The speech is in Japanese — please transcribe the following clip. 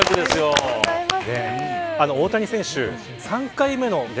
おめでとうございます。